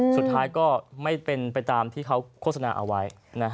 สุดท้ายก็ไม่เป็นไปตามที่เขาโฆษณาเอาไว้